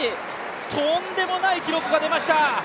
とんでもない記録が出ました。